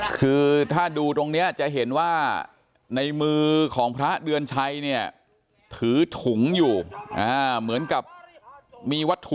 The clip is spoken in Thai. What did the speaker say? คือถ้าดูตรงนี้จะเห็นว่าในมือของพระเดือนชัยเนี่ยถือถุงอยู่เหมือนกับมีวัตถุ